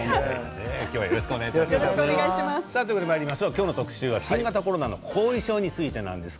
今日の特集は新型コロナの後遺症についてです。